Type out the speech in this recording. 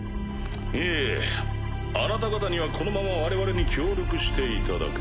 いえあなた方にはこのまま我々に協力していただく。